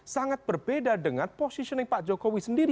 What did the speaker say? sangat berbeda dengan positioning pak jokowi sendiri